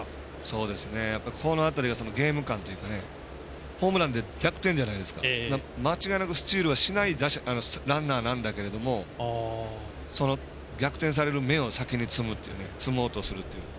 この当たりがゲーム勘というかホームランって１００点じゃないですか間違いなくスチールはしないランナーなんだけどその逆転される芽を先につもうとするという。